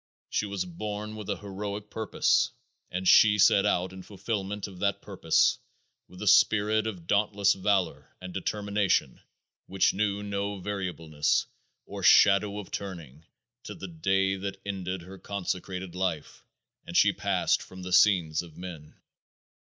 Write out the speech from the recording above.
She was born with a heroic purpose, and she set out in fulfillment of that purpose with a spirit of dauntless valor and determination which knew "no variableness or shadow of turning" to the day that ended her consecrated life and she passed from the scenes of men.